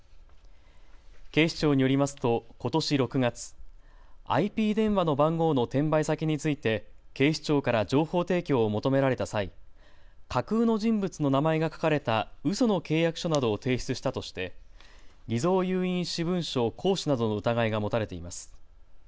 警視庁によりますとことし６月、ＩＰ電話の番号の転売先について警視庁から情報提供を求められた際、架空の人物の名前が書かれたうその契約書などを提出したとしてい偽造有印私文書行使などの疑いが持たれています。